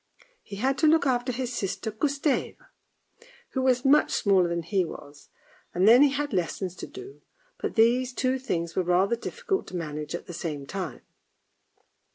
He had to look after his sister Gustave, who was much smaller than he was, and then he had his lessons to do, but these two things were rather difficult to manage at the same time.